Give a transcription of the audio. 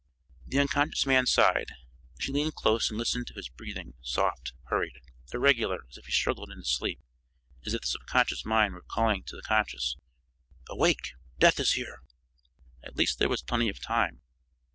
The unconscious man sighed. She leaned close and listened to his breathing, soft, hurried, irregular as if he struggled in his sleep, as if the subconscious mind were calling to the conscious: "Awake! Death is here!" At least there was plenty of time.